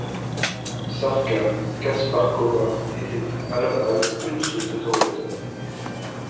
Šárka Kašpárková était à la base une sauteuse en hauteur.